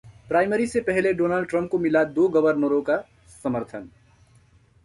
primary से पहले Donald Trump को मिला दो गवर्नरों का समर्थन